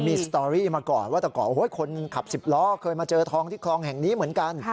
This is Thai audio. มีสตอรี่มาก่อนว่าแต่ก่อนคนขับสิบล้อเคยมาเจอทองที่คลองแห่งนี้เหมือนกัน